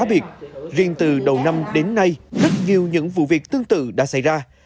đặc biệt riêng từ đầu năm đến nay rất nhiều những vụ việc tương tự đã xảy ra